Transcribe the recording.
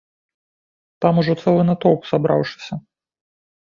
Там ужо цэлы натоўп сабраўшыся.